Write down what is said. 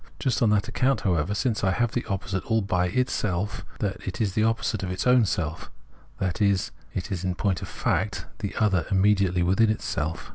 Just on that account, howev ?, since I have here the opposite all by itself, it is the opposite of its own self, that is, it has in point of fact the other immediately within itself.